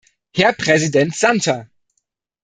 Herr Präsident Santer!